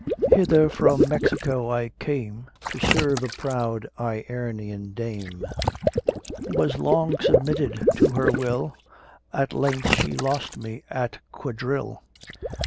Hither from Mexico I came, To serve a proud Iernian dame; Was long submitted to her will, At length she lost me at Quadrille.